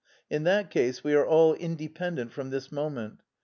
In that case we are all independent from this moment.